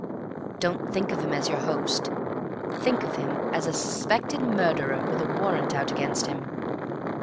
"Don't think of him as your host. Think of him as a suspected murderer with a warrant out against him."